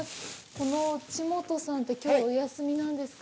この千茂登さんって、きょうお休みなんですか？